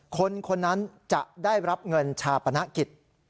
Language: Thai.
คนคนนั้นจะได้รับเงินชาปนกิจ